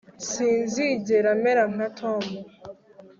sinzigera mera nka tom